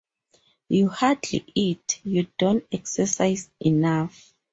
You hardly eat, you don't exercise enough